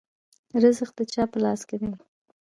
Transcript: رزق د چا په لاس کې دی؟